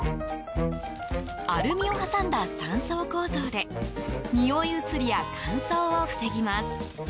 アルミを挟んだ３層構造でにおい移りや乾燥を防ぎます。